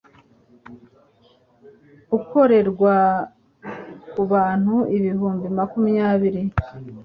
bukorerwa ku bantu ibihumbi makumyabiri